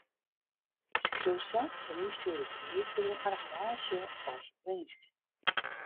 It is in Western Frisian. Skriuw sels in ynstjoerde brief oer dyn argewaasje of winsk.